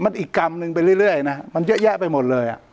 มันอีกกรรมหนึ่งไปเรื่อยนะมันเยอะแยะไปหมดเลย